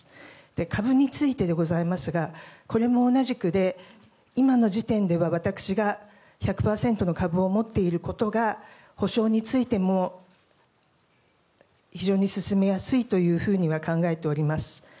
株についてでございますがこれも同じくで今の時点では私が１００％の株を持っていることが補償についても非常に進めやすいというふうには考えております。